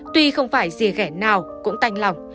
tuy không phải gì ghẻ nào cũng tanh lòng